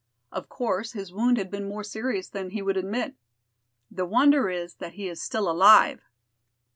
Of course, his wound had been more serious than he would admit. The wonder is that he is still alive!"